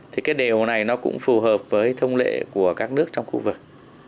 thì cái điều này nó cũng phù hợp với thông lệ của các nước trong khu vực